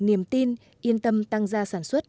niềm tin yên tâm tăng ra sản xuất